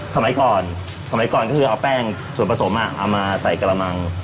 สมัยก่อนสมัยก่อนก็คือเอาแป้งส่วนผสมเอามาใส่กระมัง